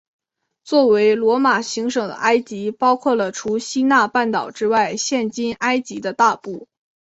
作为罗马行省的埃及包括了除西奈半岛之外现今埃及的大部。